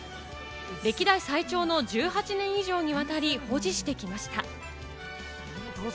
歴代最長の１８年以上にわたり保持してきました。